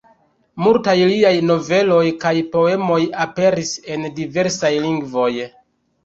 Multaj liaj noveloj kaj poemoj aperis en diversaj lingvoj.